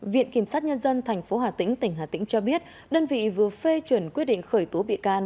viện kiểm sát nhân dân thành phố hà tĩnh tỉnh hà tĩnh cho biết đơn vị vừa phê chuyển quyết định khởi tố bị can